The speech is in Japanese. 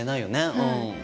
うん。